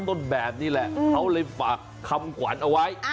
ต้นแบบนี้แหละเขาเลยฝากคำขวัญเอาไว้